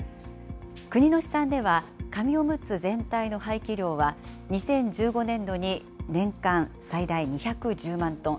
国の試算では、紙おむつ全体の廃棄量は、２０１５年度に年間最大２１０万トン。